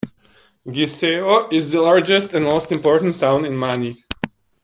Gytheio is the largest and most important town in Mani.